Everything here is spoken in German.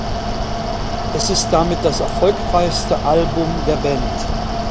Es ist damit das erfolgreichste Album der Band.